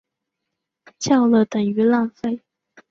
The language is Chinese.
叫了等于浪费